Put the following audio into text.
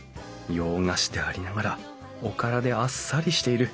洋菓子でありながらおからであっさりしている。